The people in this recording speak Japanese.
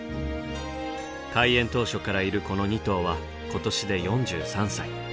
開園当初からいるこの２頭は今年で４３歳。